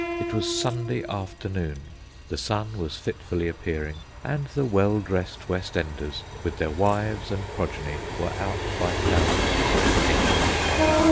It was Sunday afternoon, the sun was fitfully appearing, and the well dressed West Enders, with their wives and progeny, were out by thousands, taking the air.